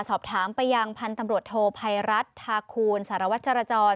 สอบถามไปยังพันธุ์ตำรวจโทภัยรัฐธาคูณสารวัตรจรจร